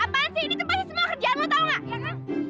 apaan sih ini tuh pasti semua kerjaan lo tau gak ya kan